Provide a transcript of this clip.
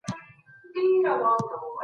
سترېس د وریښتانو د توېدو شدت زیاتولی شي.